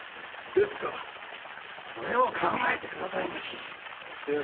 ですからそれを考えてくださいまし。